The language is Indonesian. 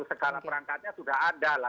segala perangkatnya sudah ada lah